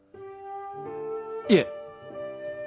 いえ。